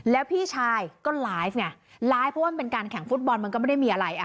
แล้วพี่ชายก็ไลฟ์ไงไลฟ์เพราะว่ามันเป็นการแข่งฟุตบอลมันก็ไม่ได้มีอะไร